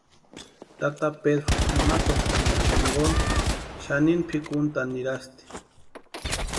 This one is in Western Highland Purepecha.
Tata Pedru nimakwa jempani jinkoni xanini pʼikuntʼani nirasti.